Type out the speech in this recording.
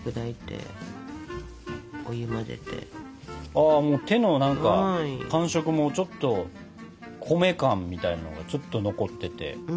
あ手の何か感触もちょっと米感みたいなのがちょっと残ってて。